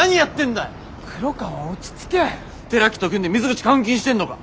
寺木と組んで水口監禁してんのか？